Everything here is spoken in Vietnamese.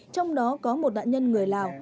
trong đó có một nạn nhân người lào